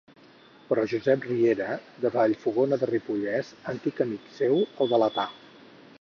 Però Josep Riera, de Vallfogona del Ripollès, antic amic seu, el delatà.